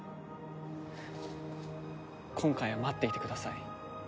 今回は待っていてください。